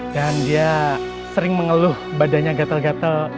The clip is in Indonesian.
dan dia sering mengeluh badannya gatel gatel